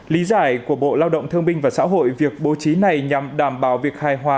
lý giải của bộ lao động thương binh và xã hội việc bố trí này nhằm đảm bảo việc hài hòa